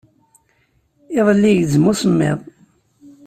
Iḍelli igezzem usemmiḍ.